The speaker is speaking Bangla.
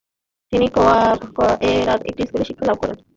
তিনি কোয়েরার একটি স্কুলে শিক্ষা লাভ করেন।